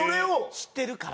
知ってるから？